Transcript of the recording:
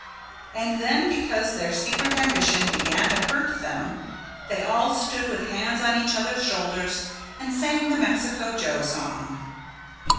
And then because their secret ambition began to hurt them they all stood with hands on each other's shoulders and sang the Mexico Joe song.